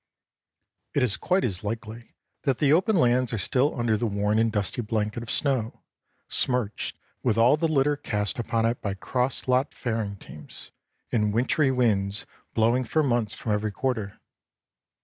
It is quite as likely that the open lands are still under the worn and dusty blanket of snow, smirched with all the litter cast upon it by cross lot faring teams, and wintry winds blowing for months from every quarter.